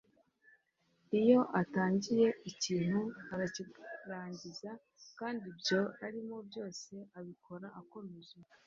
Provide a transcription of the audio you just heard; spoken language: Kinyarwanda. iyo atangiye ikintu arakirangiza kandi ibyo arimo byose abikora akomeje